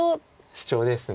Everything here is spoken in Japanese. シチョウです。